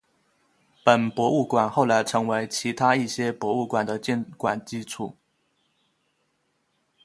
本博物馆后来成为其他一些博物馆的建馆基础。